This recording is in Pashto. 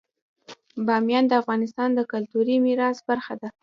بامیان د افغانستان د کلتوري میراث برخه ده.